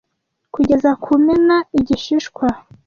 kugeza kumena igishishwa